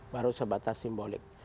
baru sebatas simbolik